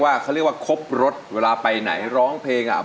เขาเรียกว่าครบรถเวลาไปไหนร้องเพลงอ่ะ